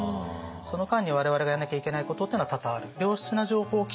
その間に我々がやらなきゃいけないことっていうのは多々ある。